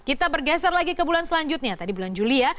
kita bergeser lagi ke bulan selanjutnya tadi bulan juli ya